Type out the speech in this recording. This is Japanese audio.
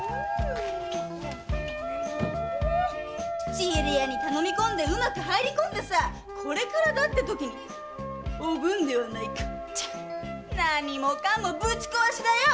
口入れ屋に頼み込んでうまく入り込んでこれからってときに「おぶんではないか」何もかもぶち壊しだよ！